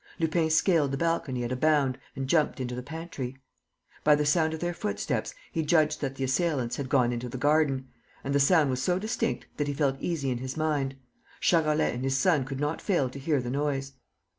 Lupin scaled the balcony at a bound and jumped into the pantry. By the sound of their footsteps, he judged that the assailants had gone into the garden; and the sound was so distinct that he felt easy in his mind: Charolais and his son could not fail to hear the noise.